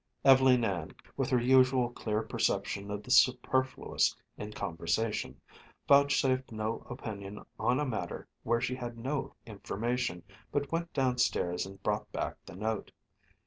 Ev'leen Ann, with her usual clear perception of the superfluous in conversation, vouchsafed no opinion on a matter where she had no information, but went downstairs and brought back the note.